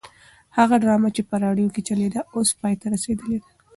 هغه ډرامه چې په راډیو کې چلېده اوس پای ته رسېدلې ده.